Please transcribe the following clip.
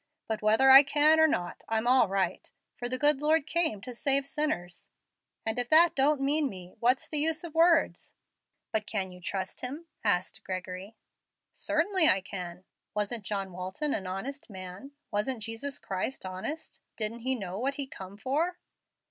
But whether I can or not, I'm all right, for the good Lord came to save sinners; and if that don't mean me, what's the use of words?" "But can you trust Him?" asked Gregory. "Certain I can. Wasn't John Walton an honest man? Wasn't Jesus Christ honest? Didn't he know what He come for?"